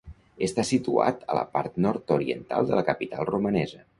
Està situat a la part nord-oriental de la capital romanesa.